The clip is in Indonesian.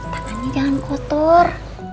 tangannya jangan kotor